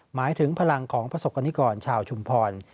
หมายถึงพลังของประสบกรณิกรชาวชุมพร